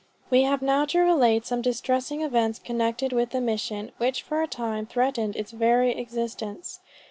We have now to relate some distressing events connected with the mission, which for a time threatened its very existence.